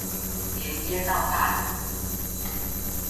連接到大螢幕